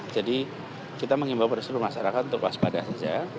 jadi kita mengimbau perusahaan masyarakat untuk waspada saja